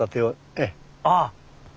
ええ。ああ。